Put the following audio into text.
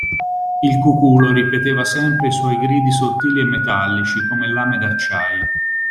Il cuculo ripeteva sempre i suoi gridi sottili e metallici come lame d'acciaio.